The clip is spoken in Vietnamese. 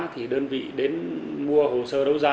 thì đơn vị đến mua hồ sơ đấu giá